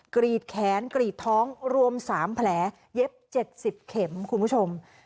กรีดแขนกรีดท้องรวม๓แผลเย็บ๗๐เข็มคุณผู้ชม